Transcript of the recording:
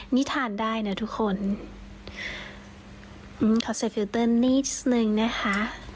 นี่ทานได้นะทุกคนขอเสร็จฟิลเตอร์นี้นิดนึงนะคะ